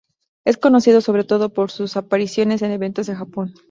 Es conocido sobre todo por sus apariciones en eventos de Japón.